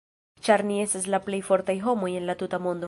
Ĉar ni estas la plej fortaj homoj en la tuta mondo.